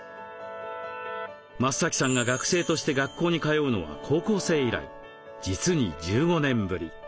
増さんが学生として学校に通うのは高校生以来実に１５年ぶり。